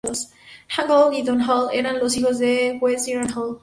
Hank Hall y Don Hall eran los hijos del Juez Irwin Hall.